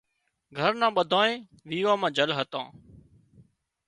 گھرنان ٻڌانئين ويوان مان جھل هتان